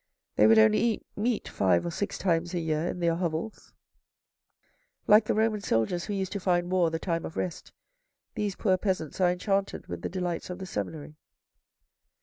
They would only eat meat five or six times a year in their hovels. Like i84 THE RED AND THE BLACK the Roman soldiers who used to find war the time of rest, these poor peasants are enchanted with the delights of the seminary.